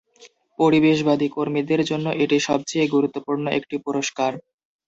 পরিবেশবাদী কর্মীদের জন্য এটি সবচেয়ে গুরুত্বপূর্ণ একটি পুরস্কার।